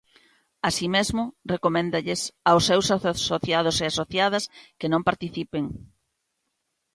Así mesmo, recoméndalles aos seus asociados e asociadas que non participen.